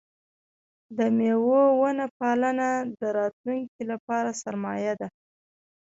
د مېوو ونه پالنه د راتلونکي لپاره سرمایه ده.